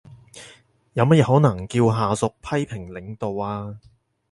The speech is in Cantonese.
有乜嘢可能叫下屬批評領導呀？